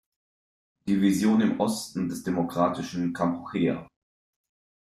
Division im Osten des Demokratischen Kampuchea.